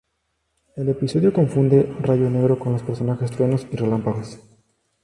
El episodio confunde Rayo Negro con los personajes truenos y relámpagos.